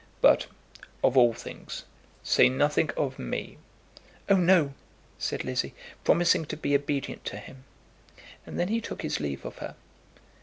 But, of all things, say nothing of me." "Oh, no," said Lizzie, promising to be obedient to him. And then he took his leave of her.